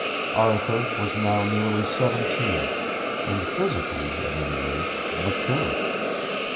Arthur was now nearly seventeen, and physically, at any rate, mature.